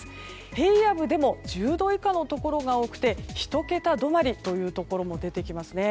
平野部でも１０度以下のところが多くてひと桁止まりというところも出てきますね。